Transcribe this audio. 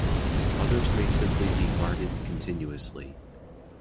Others may simply be guarded continuously.